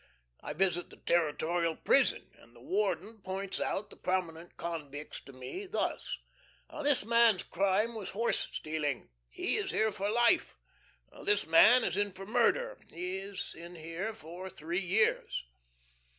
I visit the territorial Prison, and the Warden points out the prominent convicts to me thus: "This man's crime was horse stealing. He is here for life." "This man is in for murder. He is here for three years."